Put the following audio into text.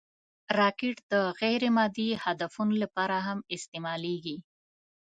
راکټ د غیر مادي هدفونو لپاره هم استعمالېږي